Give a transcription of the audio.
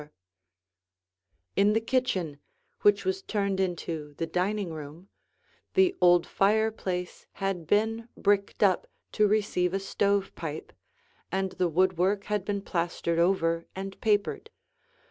[Illustration: The Dining Room] In the kitchen, which was turned into the dining room, the old fireplace had been bricked up to receive a stovepipe, and the woodwork had been plastered over and papered.